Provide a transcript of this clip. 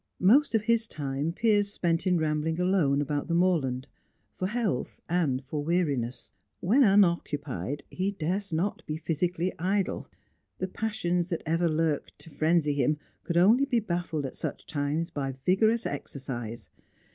Most of his time Piers spent in rambling alone about the moorland, for health and for weariness. When unoccupied, he durst not be physically idle; the passions that ever lurked to frenzy him could only be baffled at such times by vigorous exercise.